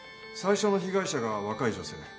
最初の被害者が若い女性。